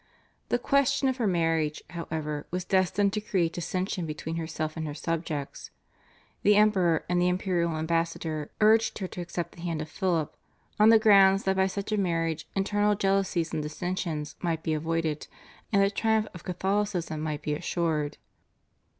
The question of her marriage, however, was destined to create dissension between herself and her subjects. The Emperor and the imperial ambassador urged her to accept the hand of Philip, on the ground that by such a marriage internal jealousies and dissensions might be avoided, and the triumph of Catholicism might be assured.